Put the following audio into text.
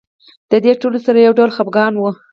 د دې ټولو سره یو ډول خپګان و.